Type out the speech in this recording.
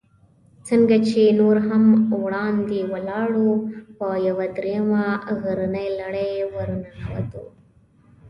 څنګه چې نور هم وړاندې ولاړو، په یوه درېیمه غرنۍ لړۍ ورننوتو.